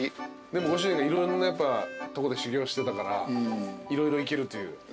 でもご主人がいろんなとこで修業してたから色々いけるという。